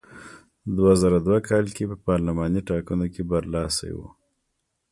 دوه زره دوه کال کې په پارلماني ټاکنو کې برلاسی و.